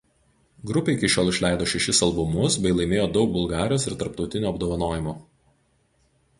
Grupė iki šiol išleido šešis albumus bei laimėjo daug Bulgarijos ir tarptautinių apdovanojimų.